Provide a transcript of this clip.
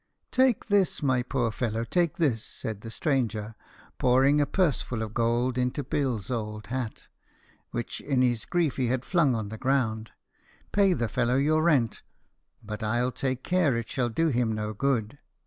"Take this, my poor fellow, take this," said the stranger, pouring a purse full of gold into Bill's old hat, which in his grief he had flung on the ground. "Pay the fellow your rent, but I'll take care it shall do him no good.